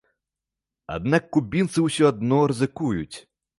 Аднак кубінцы ўсё адно рызыкуюць.